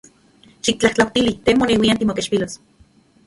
Xiktlajtlautili te moneuian timokechpilos.